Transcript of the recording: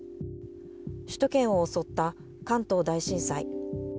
首都圏を襲った関東大震災。